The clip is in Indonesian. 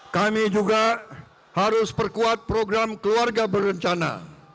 kami juga harus perkuat program keluarga berencana